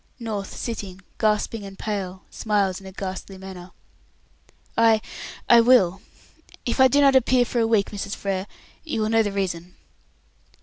North, sitting, gasping and pale, smiles in a ghastly manner. "I I will. If I do not appear for a week, Mrs. Frere, you will know the reason."